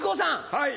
はい。